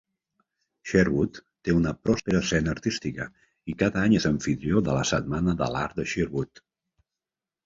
Sherwood té una pròspera escena artística i cada any és amfitrió de la Setmana de l'Art de Sherwood.